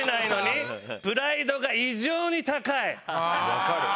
わかる。